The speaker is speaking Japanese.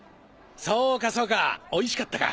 そうかそうかおいしかったか。